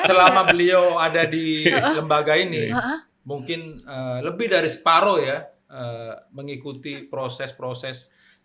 selama beliau ada di lembaga ini mungkin lebih dari separoh ya mengikuti proses proses